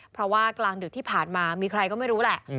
เพราะว่ากลางดึกที่ผ่านมามีใครก็ไม่รู้แหละ